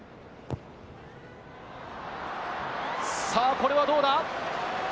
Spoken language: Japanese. これはどうだ？